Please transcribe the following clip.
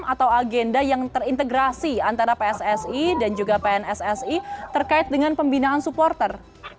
atau agenda yang terintegrasi antara pssi dan juga pnssi terkait dengan pembinaan supporter